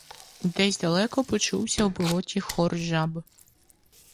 Десь далеко почувся в болоті хор жаб.